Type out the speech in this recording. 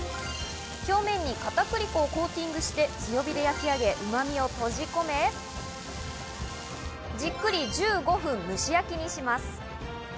表面に片栗粉をコーティングして、強火で焼き上げ、うまみを閉じ込め、じっくり１５分、蒸し焼きにします。